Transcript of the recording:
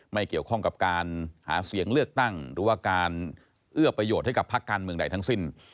ไม่เกี่ยวข้องกับการหาเสียงเลือกตั้งหรือว่าการเอื้อประโยชน์ให้กับพักการเมืองใดทั้งสิ้น